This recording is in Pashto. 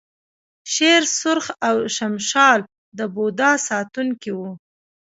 شیر سرخ او شمشال د بودا ساتونکي وو